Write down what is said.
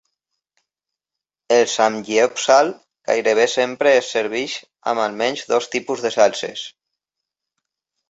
El "samgyeopsal" gairebé sempre es serveix amb almenys dos tipus de salses.